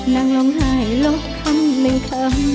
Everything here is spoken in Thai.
นั่งลงหายลบคำหนึ่งคำ